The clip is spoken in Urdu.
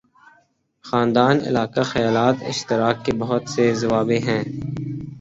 خاندان، علاقہ، خیالات اشتراک کے بہت سے زاویے ہیں۔